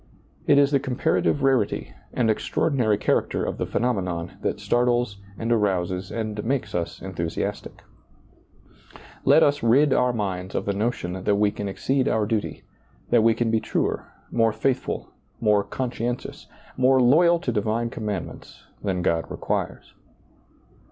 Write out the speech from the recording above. It is the com parative rarity and extraordinary character of the phenomenon that startles and arouses and makes us enthusiastic Let us rid our minds of the notion that we can exceed our duty, that we can be truer, more faithful, more conscientious, more loyal to divine commandments than God requires.